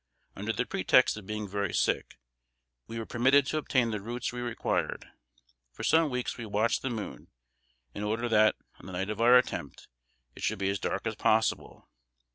Under the pretext of being very sick, we were permitted to obtain the roots we required. For some weeks we watched the moon, in order that, on the night of our attempt, it should be as dark as possible.